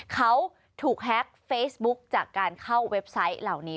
เขาถูกแฮ็กเฟซบุ๊คจากการเข้าเว็บไซต์เหล่านี้